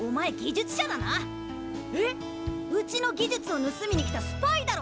うちの技術をぬすみに来たスパイだろ！